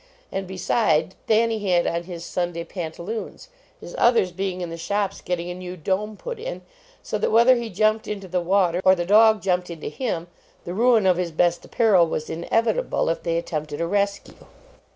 And beside, Thanny had on his Sunday pantaloons, his others being in the shops getting a new dome put in, so that whether he jumped into the water, or the dog jumped into him, the ruin of his best apparel was inevitable if they attempted a rescue.